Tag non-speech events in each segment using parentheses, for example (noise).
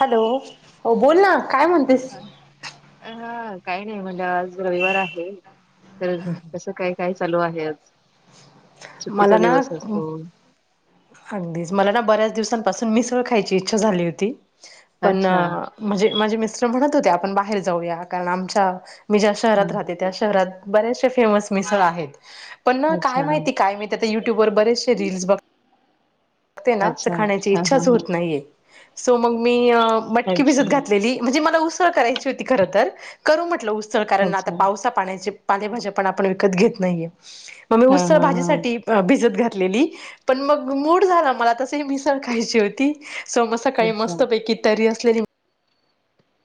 Hello हो बोलना काय म्हंतेस? हां काही नाही म्हणलं आज रविवार आहे तर कसं काय काय चालू आहे आज? सुट्टीचा मलाना दिवस असतो अगदीच मलाना बऱ्याच दिवसांपासून मिसळ खायची इच्छा झाली होती पण अच्छा अं माझे मिस् स्टर म्हणत होते आपण बाहेर जाऊया कारण आमच्या मी ज्या हा शहरात राहते त्या शहरात बरेचशे फेमस मिसळ आहेत पणना काय अच्छा माहिती काय मी तेआता युट्यूबर बरेचशे रील्स बघ घ्तेना च अच्छा खाण्याची हा हा इच्छाच हा होत नाहीये. सो मगमी अ मटकी अच्छा भिजत घातलेली म्हंजे मला उसळ करायची होती खरंतर करू म्हटलं उस सळ कारण आता अच्छा पावसा पाण्याचे पालेभाज्या पण आपण विकत घेत नाहीये ममी हा उसळ हा हा भाजीच साठी ब भिजत घातलेली पण मग मूड झाला मला तसंही मिसळ खायची होती. सोम सकाळी अच्छा मस्त पैकी तर्री असलेली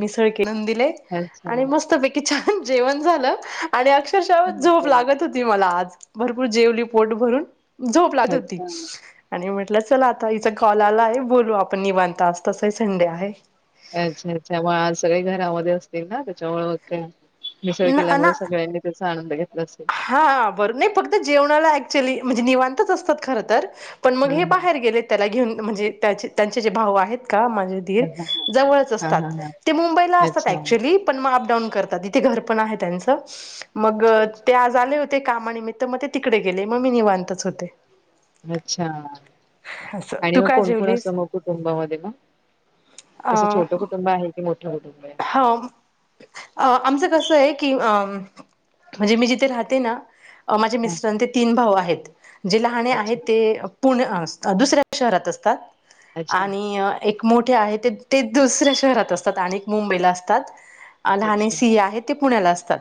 मिसळ के (unintelligible) दिले अच्छा आणि मस्त पैकी छान जेवण झालं आणि अक्ष क्षरशा म झोप लागत होती मला आज भरपूर जेवली पोट भरून. झोपलात होती अच्छा अच्छा आणि म्हं टल चला आता हिचा कॉल आलाय बोलू आपण निवांत आज तसही संडे आहे. अच्छां अच्छां मआज सगळे घरामध्ये असतीलना त्यांच्यामुळ मग काय. मिसळ केल्यामुळे सगळ्यांनी त्याचा आनंद घेत हां बरं नई फक्त जेवणाला ऍक्च्युली म्हंजे निवांतच असतात खरंतर. पण मग हा हे हा बाहेर गेले त्याला घेऊन म्हंजे त्याचे त्याचे जे भाऊ आहेत. का माजे दीर हा हा जवळच हा असतात हा हा हा ते मुंबईला असतात अच्छा ऍक्च्युली पण म अप डाऊन करतात इथे घरपण आहे त्यांचं अच्छा मगं ते अच्छा आज आले होते कामानिमित्त मते तिकडे गेले ममी निवांतच होते. अच्छा असं आणि तू म काय कोणकोण असतं जेवलीस म कुटुंबामध्ये म? कसं छोटं कुटुंब आहे की मोठ्? हां अ आमचं कसंय की अं म्हंजे मी जिथे राहतेना माझे हा मिस्टर अन् ते तीन भाव आहेत. जे लहाने आहेत अच्छा ते पुण् अं दुसऱ्या शहरात असतात अच्छा आणि एक मोठे आहे ते ते दुसऱ्या शहरात असतात आणि एक मुंबईला असतात. आ लहाने अच्छा सिए आहेत ते पुण्याला असतात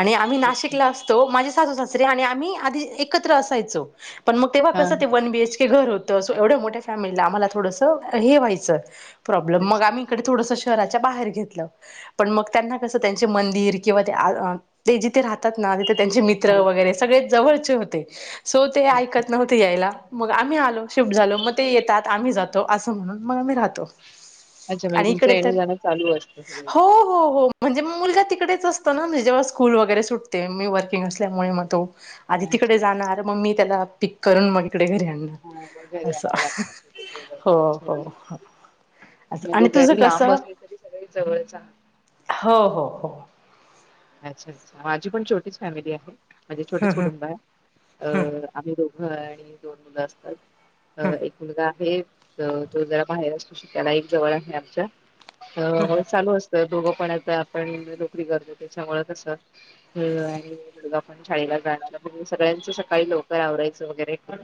आणि आम्ही अच्छा नाशिकला असतो माझे सासुसासरे आणि आम्ही आधी एकत्र असायचो पणम तेव्हा हा कसं ते हा वन बीएचके घर होत स् एवढ्या मोठ्या फॅमिलीला आम्हाला थोडसं हे व्हायचं प्रोब्लम मग अच्छा आम्ही इकडे थोडसं शह् च्या बाहेर घेतल पण मग त्यांना कसं त्यांचे मंदिर किंवा ते आ आ ते जिथे राहत तातना तिथे त्यांचे हा मित्र हा वगैरे सगळे जवळचे होते, सो ते अच्छा ऐकत नव्हते यायला. मग आम्ही आलो, शिफ्ट झालो मते येतात, आम्ही जातो असं म्हणून मग आम्ही राहतो. अच्छा म्हणजे आणि तुमचं इकडे येणं तर जाणं चालू असतं सगळे. हो हो हो म्हणजे मग मुलगा तिकडेच असतो ना म्हे जेव्हा स्कूल वगैरे सुटते मी वर्किंग असल्यामुळे मग तो. आधी अच्छा तिकडे अच्छा जाणार मग मी त्याला (unintelligible) पिक करून मग इकडे घरी हा मग आणणार घरी असं आणावं लागत असेल कुठे जाऊन हं हं हो अच्छा हो अच्छा हो. आणि तुझं कसं. सगळी जवळचा. हो हो हो. अच्छा अच्छा माझी पण छोटीच फॅमिली आहे. माझे छोटेच कुटुंब आहे, अं आम्ही दोघं आहे, आणि दोन मुलं असतात. अ एक मुलगा आहे, तो जरा बाहेर असतो शिकायला एक जवळ आहे, आमच्या. त मग चालू असतं दोघं पण आता आपण नोकरी करतो. त्याच्यामुळ कस (unintelligible) आणि मुगा पण शाळेला जा सगळ्यांच सकाळी लवकर आवरत करायचं वगरे पण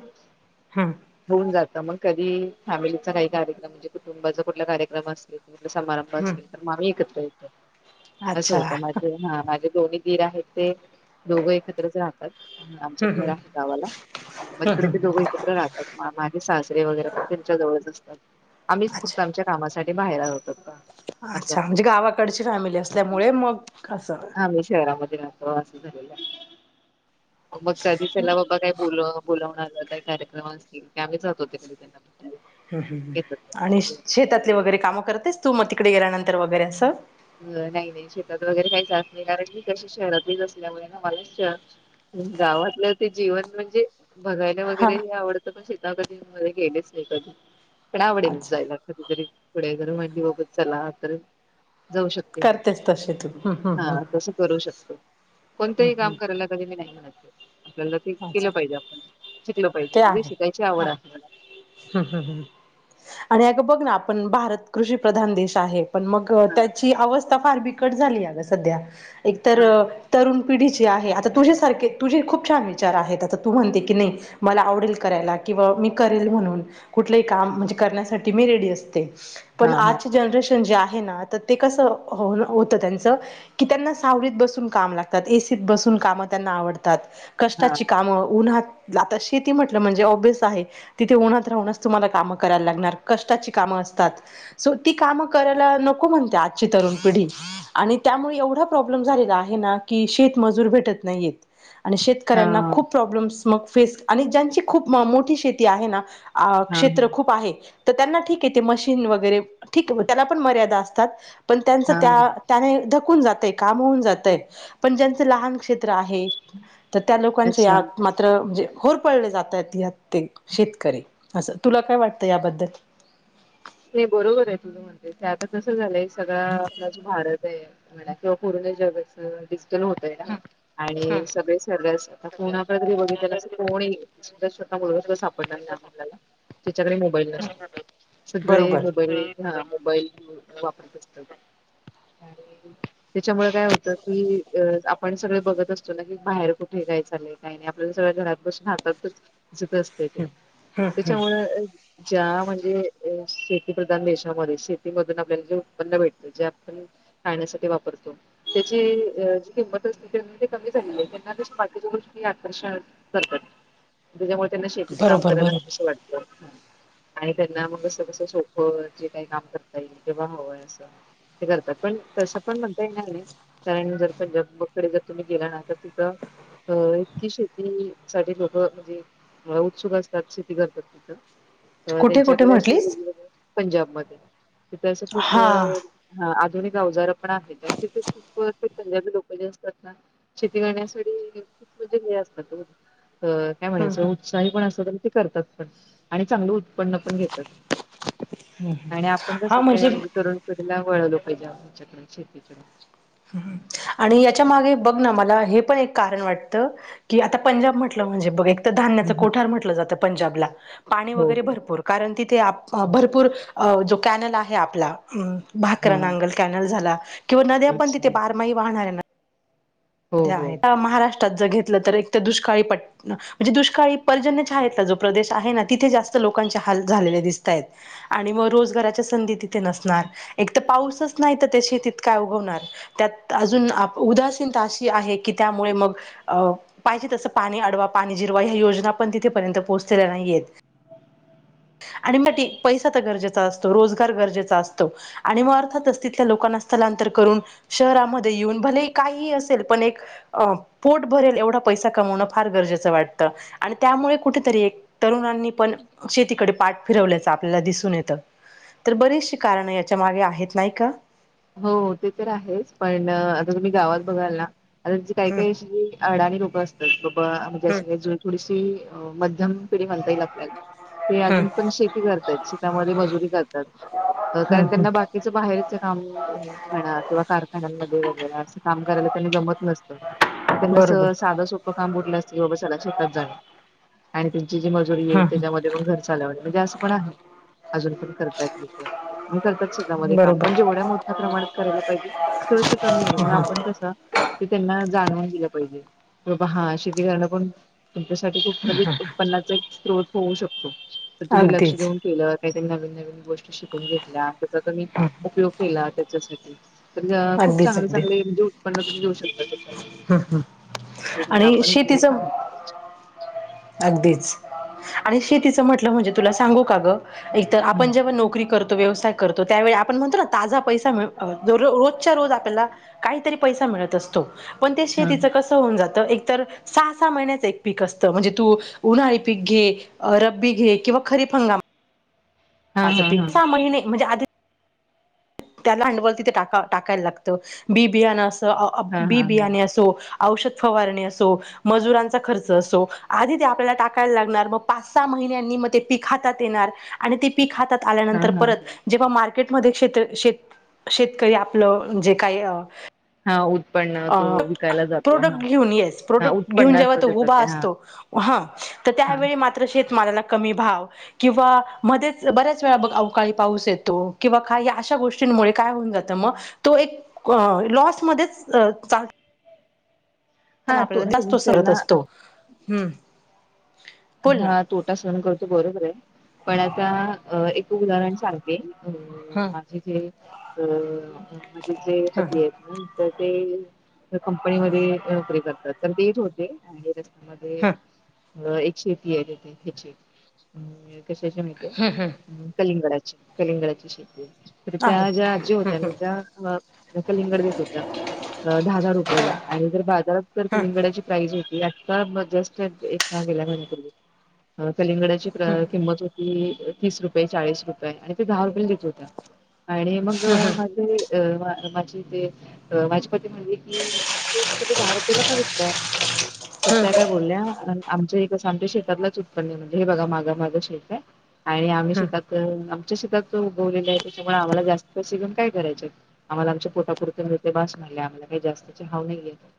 हम्म होऊन जात. तर मग कधी फॅमिलीचा काही कार्यक्रम म्हणजे कुटुंबाचा कुठला कार्यक्रम असले समारंभ असेल हम्म तर मग एकत येतो. असं अच्छा होतं हं. माझे हा माझे दोन्ही दिर आहेत ते दोघं एकत्रच राहतात आमच्या घर आहे गावाला. मगकडे ते दोघ एकत्र राहतात माझे सासरे वगैरे पण त्यांच्या जवळच असतात. आम्हीच फूपत अच्छा आमच्या कामासाठी बाहेर आहोतो. अच्छा म्हणजे गावाकडची फॅमिली असल्यामुळे मग असं आम्ही शहरामध्ये राहतो असं झालेला आहे. मग कधी चला बाबा काय बोल बोलावणार आ काही कार्यक्रम असतील क आम्ही जाते तिकडे त्यांना. ह येतात हआणि शेतातले वगैरे कामं करतेस तू मग तिकडे गेल्यानंतर वगैरे असं. अ नाही नाही शेतात वगैरे काहीच नाही कारण मी इकडचे शहरातलेच असल्यामुळे ना मला शहरची गावातलं ते जीवन म्हणजे. बघायला हा वगैरे हे आवडतं पण शेता कधी मध्ये गेलेच नाही कधी. पण आवडेल अच्छा जायला कधीतरी पुढे जर मांडी बघत चला तर जाऊ शकते करतेच तसे तू हम्म हा हम्म हम्म तस करू शकतो. हम्म कोणतंही काम हम्म करायला कधी मी नाही म्हणत. आपल्याला ते अच्छा केलं पाहिजे आपण शिकल पाहिजे म्हणजे शिकायची आवड आहे मला. हा हा हा आणि अग. बघ ना आपण भारत कृषी प्रधान देश आहे पण मग हा त्याची अवस्था फार ब बिकट झालीय सध्या एक तरुण. पिढीची आहे, आता तुझे सारखे तुझे खूप छान हाय. शहर आहे, तू म्हणते की, नाही मला आवडेल करायला किंवा मी करे म्हणून कुठ काम म्हणजे. करण्यासाठी मी रेडी असते हा पण आज हा ची जनरेशने जी आहे. घे ना तर ते कस हो होत, त्यांच की, त्यांना सावत बसून काम लातात एसीत बसुन. काम त्यांना आवडतात हा कष्टाची काम उन्हाात. आता शेती म्हटलं, म्हणजे ओबीस आहे तिथे उन्हात राहूनच तुम्हाला कामं करायला लागणार कष्टाची कामं. असतात सो ती काम करायला नको म्हता आजची तरुण पिढी आणि त्यामुळे एवढं प्रॉ (unintelligible) श म भे नाही हा शेतकऱ्यांना खूप प्रॉब्लेम्स म फेस आणि ज्यांची खूप म मोठी शेती आहे ना. अ हा हा क्षेत्र खूप आहे. तर त्यांना ठीक आहे, ते मशीन वगैरे ठीक त्या पण मर्यादा असतात. पण त्यांच त्या हा त्याने धकून जातय काम होऊन जातय पण ज्यांच लहान क्षे त्र आहे त्या लोकांचे अच्छा आत मात्र. म्हणजे होर पळले जातात या ते शेतकरी असं तुला काय वाटतं याबद्दल. (unintelligible) नाही बरोबर आहे, तुझ म्हणते आता कस झालंय सगळा, आपला जो भारत आहे म्ह किंवा डिजिटल होतय का हम हम आणि सगळे सरल्यास आता, कुणा बघितना अस कोणी सुधा स्वः (unintelligible) सापडणार नाही, त्याच्याकडे मोबाईल नसते, सगळे बरोबर मोबाईल हा मोबाईल वापरत असतात, आणि त्याच्यामुळे काय होतं, की अ आपण सगळे, बघत असतो, ना की बाहेर कुठे काय चालय काय नाही, आपल्या सगळं घरात बसून राहतातच. ज असते ते त्याच्यामु ज्या म्हणजे, शेती प्रधान देशामध्ये शेतीमधून आपल्याला जे उत्पन्न भेटत जे आपण, खाण्यासाठी वापरतो. त्याची ज किंमत अस, ते कमी झालेले त्यां बाकीच्या गोष्टी आकर्षण करतात. त्याच्यामुळे त्यांना शेतीत काम बरोबर करायला कस बरोबर तर वाटत, आणि त्यांना. सोपं कस सोपं जे काही काम करता येईल, तेव्हा हवंय असं, ते करतात पण तसं पण म्हणता येणार नाही कारण जर पंजाबकडे जर तुम्ही गेला ना तर तिथं, अं इतकी शेती सा (unintelligible) लोकं म्हणजे, मला उत्सुक असतात शेती करतात थ, कुठे कुठे म, पंजाब मध्ये, तेथे असं खूप, हा अधूनिक अवजार पण आहेत, आणि तिथे खूप ते पंजाबी लोक जे असतात ना शेती करण्यासाठी, म्हणजे हे असत त काय हम् म्हणायच हम उत्साही पण अस ते करतात, पण आणि चांगलं उत्पन्न पण घेतात आणि आपण कस काय म्हणजे तरुणपढला, वळवलं पाहिजेच्याकड शेतीकडे, आणि याच्या माग बघ ना, मला हे पण एक कारण वाटत की आता, पंजाब म्हटलं म्हणजे बघ एक धान्याच ह हा कोठार म्हटलं, जातं पंजाबला, पाणी हो वगैरे हो हो भरपूर, कारण तिथे भरपूर जो कॅनल आहे. आपला, हम भाकरा हा नांगल कॅनल झाला, किंवा नद्या पण तिथे अच्छा बारमाही वाहणाऱ्या ना, हो हो. आहे महाराष्ट्र, त्या जर घेतलं तर एक तर (unintelligible) दुष्काळी म्हणजे दुष्काळी पर्जन्य छायाचा प्रदेश आहे, ना तिथे जास्त, लोकच्या हाल झालं दिसत्यात, आणि म रोजाराच्या संधी तिथे नसणार, एक तर पाऊसचा नाहीतर त्या शेतीत काय उगवणार त्यात अजून उदास, आहे की त्यामुळे मग, पाहिजे तस पाणी अडवा पाणी जिरवा या योजना पण तिथेपर्यंत पोहो पोहचल्या नाहीयेत. (unintelligible) आणि मा पैसा तर गरजेचा असतो, रोजगार गरजेचा असतो आणि मग अर्थातच तिथल्या लोकांना असत. स्थलांतर करून शहरामध्ये येऊन भले काही असेल. पण एक पोट भरेल एवढा पैसा कमवण फार गरजेचं वाटतं. आणि त्यामुळे कुठेतरी, तरुणांनी पण शेतीकडे पाठ फिरवल्याच, आपल्याला दिसून येतं. तर बरीचशी कारणं याच्या मागे आहेत, नाही का. हो ते तर आहेच, पण आता तुम्ही गावात बघाल ना! आता काही काही अशी अडाणी लोकं असतात, बाबा म्हणजे हम् अ का थोडीशी म म पिढी म्हणता येईल आपल्याला ते अजून हम् पण शेती करताय शेतामध्ये मजुरी करतात. कारण हम् त्यांना बाकीच्या बाहेरच काम, म्हणा किंवा कारखान्यामध्ये, वगैर असं काम करायला त्यांनी जमत नसतं. तर त्यांना स बरोबर साधं सोपं काम बुटलं असते, की बाबा सगळ्या शेतात जावे आणि, जी मजुरी येईल, हम् त्याच्यामध्ये पण घर चालव म्हणजे असं पण आहे. अजून पण करतायत लोक मग करतात, हम् शेतामध्ये काम पण बरोबर जेवढ्या मोठ्या, प्रणात करायला पाहिजे, थोडस कमी आहे आपण कस त्यां, जाणून दिलं पाहिजे, हा शेती करण पण, तुमच्यासाठी खूप म्हणजे उत्पन्नाचा एक स्त्रोत होऊ शकतो तर तुम्ही लक्ष अगदीच देेऊन केलं काहीतरी नवीन नवीन गोष्टी शिकून घेतल्या आणि त्याचा तुम्ही उपयोग केला त्याच्यासाठी तर खूप अगदीच चांगले अगदीच चांगले म्हणजे उत्पन्न तुम्ही घऊ शकता (unintelligible) ते त्यांना आणि आपण शेतीच सांगितलं पाहिजे. अगदीच आणि शेतीच म्हटलं म्हणजे तुला सांगू का ग? एक तर आपण हा जेव्हा नोकरी करतो. व्यवसाय करतो त्या वेळी आपण म्हणतो ना ताजा पैसा मीळतो रोजच्या रोज आपल्याला काहीतरी पसा मिळत असतो पण शेतीच हा कस होऊन जात एक तर सहा सहा महिन्याच एक पिक असत म्हण तू उन्हाळी पीक घे रब्बी घे किंवा खरीप (unintelligible) (unintelligible) हा हा हा म्हणजे आधी त्याला भाडवल तिथे टाका टाकायला लागतं बी बियाण हा हा बी बियाने हा असो औषध फवारणी असो मजुरांचा खर्च असो आधी ते आपल्याला टाकायला लागणार मग पाच सहा महि महिन्यांनी मग ते पिक हातात येणार आणि ते पिक हातात हा आल्यानंतर हा परत जेव्हा मा म्केटमध्ये शेत शेतकरी आपलं जे काही हा उत्पन्न तो विकायला जातो हा प्रोडक्ट घेऊन येस हा प्रोडक्ट उत्पन्न घेऊन जेव्हा असतं तो त्याच उभा ते हा असतो ह तर हा त्यावेळी मात्र शेत मलाला कमी भाव किंवा मध्येच बऱ्याच वे अवकाळी पाऊस येतो किंवा का अशा गोष्टी मुळे काय होऊन जात मग तो एक लॉस मधेच प हा तो आपल्याला जास्त नाही सरत त्यांना असतो, हम्म. बोल ना हा तोटा सहण करतो बरोबर आहे पण आता एक उदाहरण सांगते. अ हम्म माझे जे अ माझे जे पती आहेत ना ते कंपनीमध्ये नोकरी करतात तर तेच होते आणि मध्ये हम्म एक शेतीे (unintelligible) कशाच्या माहितेय हम्म कलिंगडची कलिंगडची शेती‌. तर अरे त्या ज्या आजी होत्या ना त्या कलिंगड देत होत्या. दहा दहा रुपयला आणि जर बाजारात तर हम्म कलिंगडाची प्राइस होती तर मग जस्ट एका (unintelligible) कलिंगडाची हम्म किंमत होती तीस रुपये चाळीस रुपये आणि ते दहा रुपयेला देत होत्या. आणि मग माझे अ माझी ते माझ म्हण की त दहा रुपयेला करून देया तर त्या हम्म काय बोलल्या आमच एक कसं आमच्या शेतातलाच उत्पन्न आहे म्हणजे हे बघा माझा माझं शेत आहे. आणि आम्ही हम्म शिकात च्या शेतात उगवले आहे त्याच्यामुळे आम्हाला जास्त पैसे घेऊन काय करायचे आम्हा आमच्या पोटापुरत मिेलते भास आम्हाला काही जास्तचे हव नाहीयेत.